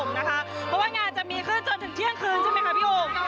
เพราะว่างานจะมีขึ้นจนถึงเที่ยงคืนใช่ไหมคะพี่โอ่ง